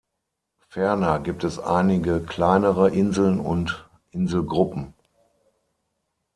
Ferner gibt es einige kleinere Inseln und Inselgruppen.